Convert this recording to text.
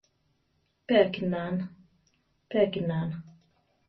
Pe akinana, pe akinana!